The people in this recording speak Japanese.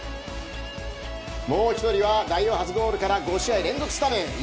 もう１人は、代表初ゴールから５試合連続スタメン